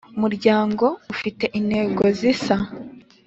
Muryango ufite intego zisa